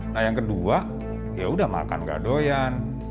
nah yang kedua ya udah makan nggak doyan